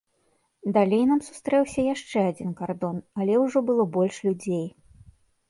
Далей нам сустрэўся яшчэ адзін кардон, але ўжо было больш людзей.